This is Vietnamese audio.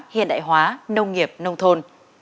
hiện đại hóa nông nghiệp nông thôn